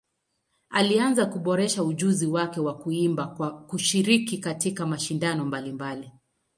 Alianza kuboresha ujuzi wake wa kuimba kwa kushiriki katika mashindano mbalimbali.